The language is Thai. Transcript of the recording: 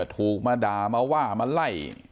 ถูกมาด่ามาว่ามาไล่